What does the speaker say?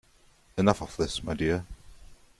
Enough of this, my dear!